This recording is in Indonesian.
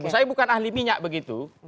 saya bukan ahli minyak begitu